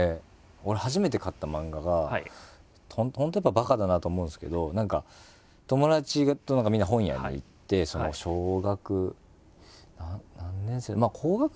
俺初めて買った漫画が本当ばかだなと思うんですけど何か友達とみんな本屋に行って小学何年生高学年ぐらいかな？